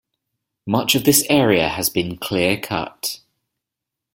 Much of this area has been clearcut.